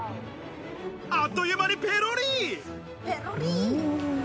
あっという間にペロリ！